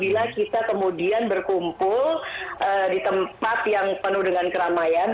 kita buat apabila kita kemudian berkumpul di tempat yang penuh dengan keramaian